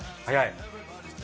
早い。